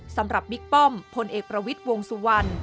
สำหรับบิ๊กป้อมพลเอกประวิดวงสุวรรณ